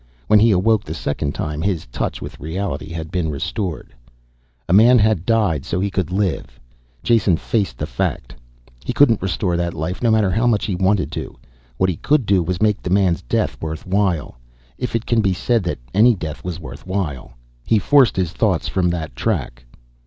When he awoke the second time, his touch with reality had been restored. A man had died so he could live. Jason faced the fact. He couldn't restore that life, no matter how much he wanted to. What he could do was make the man's death worth while. If it can be said that any death was worth while ... He forced his thoughts from that track.